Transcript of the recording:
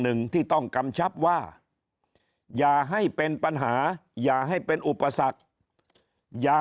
หนึ่งที่ต้องกำชับว่าอย่าให้เป็นปัญหาอย่าให้เป็นอุปสรรคอย่า